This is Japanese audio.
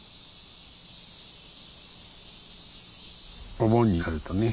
お盆になるとね